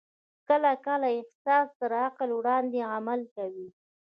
کله کله احساس تر عقل وړاندې عمل کوي.